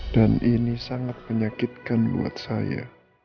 dan ini sangat menyakitkan buat saya